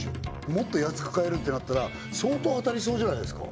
もっと安く買えるってなったら相当当たりそうじゃないですか？